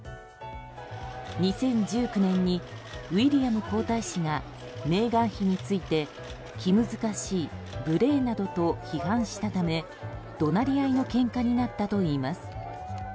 ２０１９年にウィリアム皇太子がメーガン妃について気難しい無礼などと批判したため怒鳴り合いのけんかになったといいます。